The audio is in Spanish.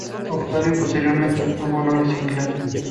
Octavio, posteriormente, obtuvo honores similares.